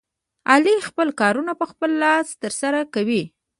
علي خپل کارونه په خپل لاس ترسره کوي.